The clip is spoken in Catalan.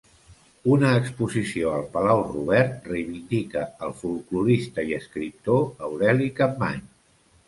Una exposició al Palau Robert reivindica el folklorista i escriptor Aureli Capmany.